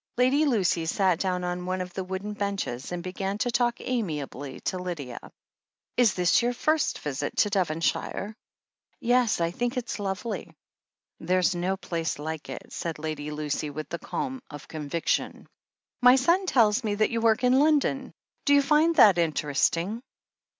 Lady Lucy sat down on one of the wooden benches, and began to talk amiably to Lydia. "Is this your first visit to Devonshire?" "Yes. I think it's lovely." THE HEEL OF ACHILLES 281 "There's no place like it," said Lady Lucy, with the calm of conviction. "My son tells me that you work in London. Do you find that interesting?"